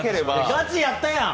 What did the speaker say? ガチやったやん。